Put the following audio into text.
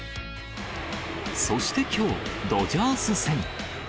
そしてきょう、ドジャース戦。